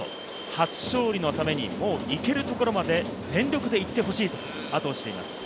初勝利のためにも行けるところまで全力でいってほしいと話しています。